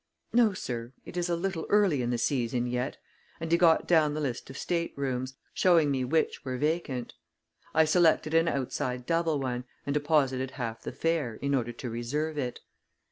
"No, sir; it is a little early in the season yet," and he got down the list of staterooms, showing me which were vacant. I selected an outside double one, and deposited half the fare, in order to reserve it.